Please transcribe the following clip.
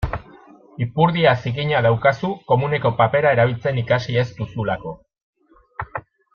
Ipurdia zikina daukazu komuneko papera erabiltzen ikasi ez duzulako.